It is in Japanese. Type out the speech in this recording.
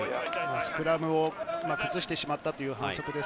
スクラムを崩してしまったという反則です。